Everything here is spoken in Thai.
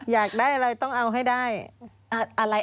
อยากได้อะไรต้องเอาให้ได้อะไร